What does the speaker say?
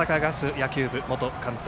野球部元監督